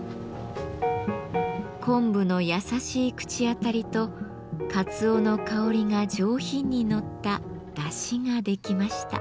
昆布の優しい口当たりとかつおの香りが上品にのっただしができました。